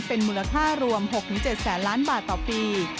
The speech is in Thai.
เป็นมูลค่ารวม๖๗แสนล้านบาทต่อปี